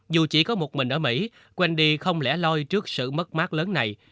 dù chỉ có một mình ở mỹ wendy không lẻ loi trước sự mất mát lớn này